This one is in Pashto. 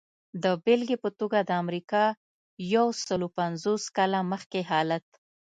د بېلګې په توګه د امریکا یو سلو پنځوس کاله مخکې حالت.